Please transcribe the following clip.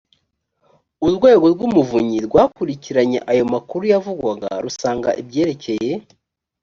urwego rw umuvunyi rwakurikiranye ayo makuru yavugwaga rusanga ibyerekeye